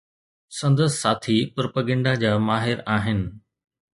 سندس ساٿي پروپيگنڊا جا ماهر آهن.